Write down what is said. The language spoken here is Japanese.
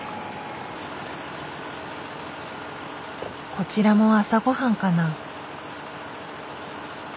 こちらも朝ごはんかな？